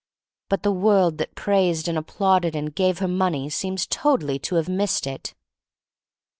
But the world that praised and applauded and gave her money seems totally to have missed it.